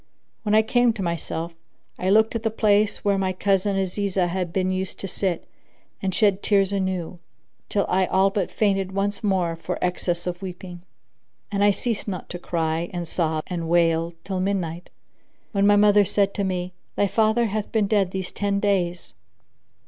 When I came to myself, I looked at the place where my cousin Azizah had been used to sit and shed tears anew, till I all but fainted once more for excess of weeping; and I ceased not to cry and sob and wail till midnight, when my mother said to me, "Thy father hath been dead these ten days."